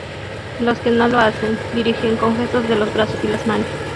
Los que no lo hacen, dirigen con gestos de los brazos y las manos.